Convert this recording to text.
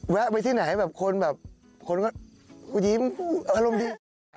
แวะไปที่ไหนบาทคนก็โหหโหอรุ่มหนี